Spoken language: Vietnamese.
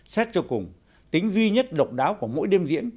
xét cho cùng tính duy nhất độc đáo của mỗi đêm diễn